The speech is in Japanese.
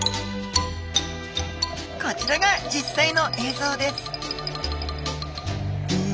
こちらが実際の映像です